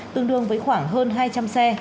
tương đương với khoảng hơn hai trăm linh xe